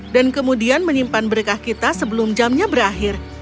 dan kemudian menyimpan berkah kita sebelum jamnya berakhir